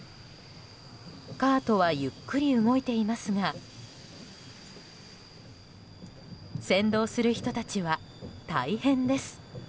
カートはゆっくり動いていますが先導する人たちは大変です。